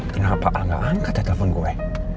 kenapa gak angkat ya telepon gue